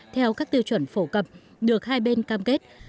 theo các tiêu chuẩn phổ cập được hai bên cam kết